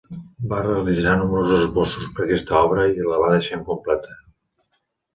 Va realitzar nombrosos esbossos per a aquesta obra i la va deixar incompleta.